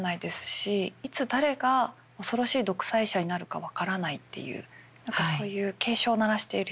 いつ誰が恐ろしい独裁者になるか分からないっていう何かそういう警鐘を鳴らしているような。